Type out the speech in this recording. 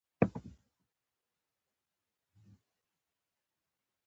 لكه يو دروند بار مې له اوږو لرې سوى وي.